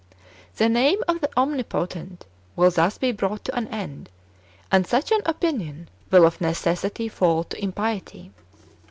The name of the omnipotent w^ill thus be brought to an end, and such an opinion will of necessity fall into impiety.